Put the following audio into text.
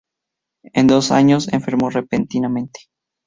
En dos años enfermó repentinamente.